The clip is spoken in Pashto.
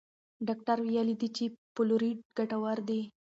ډاکټر ویلي دي چې فلورایډ ګټور دی.